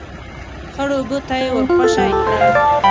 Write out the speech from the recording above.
، خړو اوبو ته يې ور خوشی کړه.